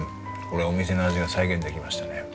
これはお店の味が再現できましたね。